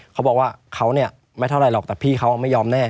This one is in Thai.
เขาบอกว่าเขาเนี่ยไม่เท่าไรหรอกแต่พี่เขาไม่ยอมแน่